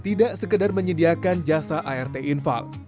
tidak sekedar menyediakan jasa art infal